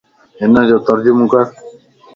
ھن جو ترجمو ڪر